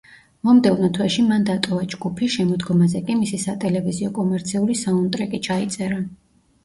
მომდევნო თვეში მან დატოვა ჯგუფი, შემოდგომაზე კი მისი სატელევიზიო კომერციული საუნდტრეკი ჩაიწერა.